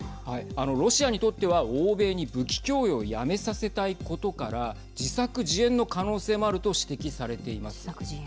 ロシアにとっては欧米に武器供与をやめさせたいことから自作自演の可能性もあると指摘されています。